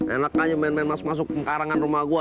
enak aja main main masuk masuk ke karangan rumah gua